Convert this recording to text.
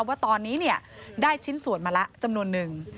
ว่าตอนนี้ได้ชิ้นส่วนมาละจำนวนนึง